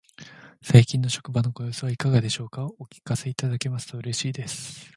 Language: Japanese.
最近の職場のご様子はいかがでしょうか。お聞かせいただけますと嬉しいです。